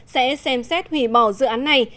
sẽ xem xét hủy bỏ dự án này